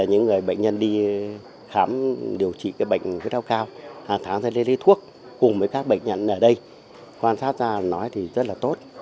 hàng tháng ra đây lấy thuốc cùng với các bệnh nhân ở đây quan sát ra nói thì rất là tốt